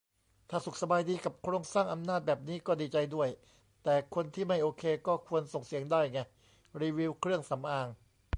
ถ้าสุขสบายดีกับโครงสร้างอำนาจแบบนี้ก็ดีใจด้วย แต่คนที่ไม่โอเคก็ควรส่งเสียงได้ไง รีวิวเครื่องสำอาง